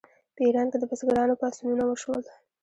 په ایران کې د بزګرانو پاڅونونه وشول.